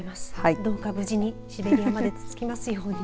どうか無事にシベリアまで着きますように。